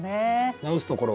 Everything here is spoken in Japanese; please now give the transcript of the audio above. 直すところは？